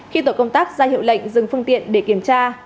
khi tổ công tác ra hiệu lệnh dừng phương tiện để kiểm tra